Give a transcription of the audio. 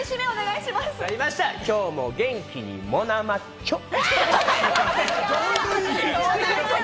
今日も元気にモナマッチョ！